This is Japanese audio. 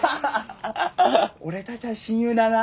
俺たちゃ親友だな。